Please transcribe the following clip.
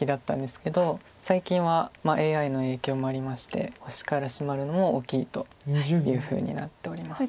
最近はＡＩの影響もありまして星からシマるのも大きいというふうになっております。